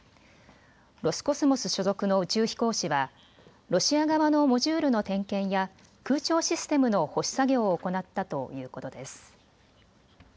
ロスコスモス所属の宇宙飛行士はロシア側のモジュールの点検や空調システムの保守作業を行ったということです。